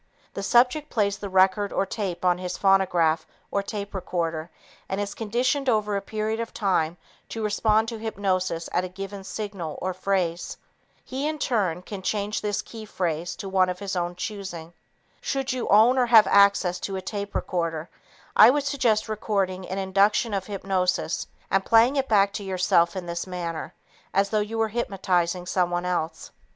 The subject plays the record or tape on his phonograph or tape recorder and is conditioned over a period of time to respond to hypnosis at a given signal or phrase. He, in turn, can change this key phrase to one of his own choosing. Should you own or have access to a tape recorder, I would suggest recording an induction of hypnosis and playing it back to yourself in this manner as though you were hypnotizing someone else.